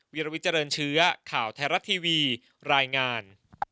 วิลวิเจริญเชื้อข่าวไทยรัฐทีวีรายงาน